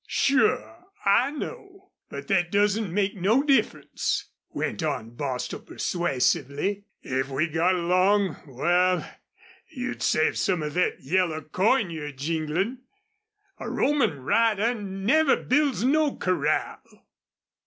"Sure, I know. But thet doesn't make no difference," went on Bostil, persuasively. "If we got along wal, you'd save some of thet yellow coin you're jinglin'. A roamin' rider never builds no corral!"